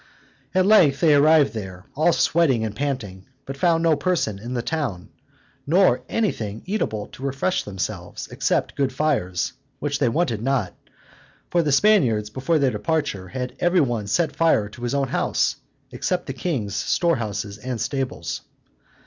At length they arrived there, all sweating and panting, but found no person in the town, nor anything eatable to refresh themselves, except good fires, which they wanted not; for the Spaniards, before their departure, had every one set fire to his own house, except the king's storehouses and stables.